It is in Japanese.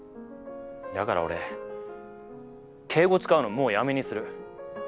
だから俺敬語使うのもうやめにする。